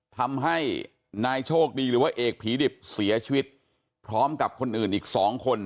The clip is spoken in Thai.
ทำให้นายโชคดีหรือว่าเอกผีดิบเสียชีวิตพร้อมกับคนอื่นอีกสองคน